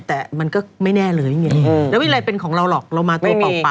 แต่มันก็ไม่แน่เลยไงแล้ววิรัยเป็นของเราหรอกเรามาตัวเปล่า